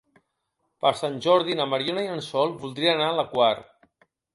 Per Sant Jordi na Mariona i en Sol voldrien anar a la Quar.